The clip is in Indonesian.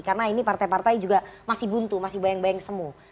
karena ini partai partai juga masih buntu masih bayang bayang semua